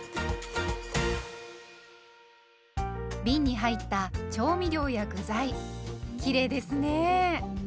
びんに入った調味料や具材きれいですね。